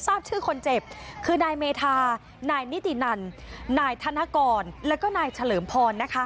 ทราบชื่อคนเจ็บคือนายเมธานายนิตินันนายธนกรแล้วก็นายเฉลิมพรนะคะ